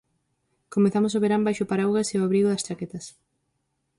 Comezamos o verán baixo o paraugas e ao abrigo das chaquetas.